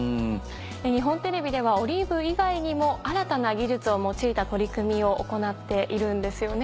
日本テレビではＯＬＩＶＥ以外にも新たな技術を用いた取り組みを行っているんですよね？